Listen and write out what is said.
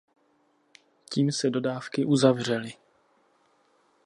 Tím se dodávky uzavřely.